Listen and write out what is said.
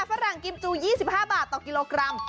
ฝรั่งกิมจู๒๕บาทต่อกิโลกรัม